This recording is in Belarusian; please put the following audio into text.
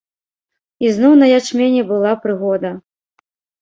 Ізноў на ячмені была прыгода.